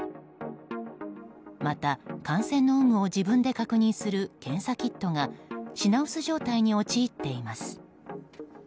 また、感染の有無を自分で確認する検査キットが品薄状態に陥っています。